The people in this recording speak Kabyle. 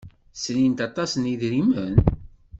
Srint aṭas n yidrimen?